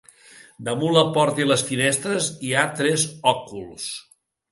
Damunt la porta i les finestres hi ha tres òculs.